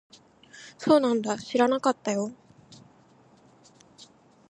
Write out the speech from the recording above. そうなんだ。知らなかったよ。